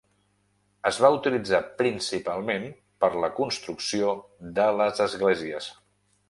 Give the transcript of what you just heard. Es va utilitzar principalment per la construcció de les esglésies.